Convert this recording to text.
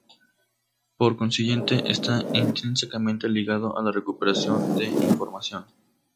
Por consiguiente, está intrínsecamente ligado a la recuperación de información.